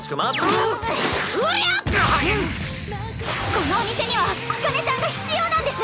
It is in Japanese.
このお店には紅葉ちゃんが必要なんです。